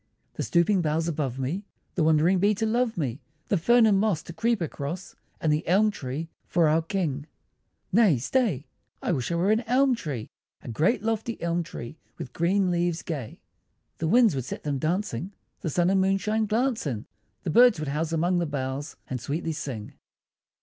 The stooping boughs above me, The wandering bee to love me, The fern and moss to creep across, And the Elm tree for our King! Nay stay! I wish I were an Elm tree, A great lofty Elm tree, with green leaves gay! The winds would set them dancing, The sun and moonshine glance in, The birds would house among the boughs, And sweetly sing!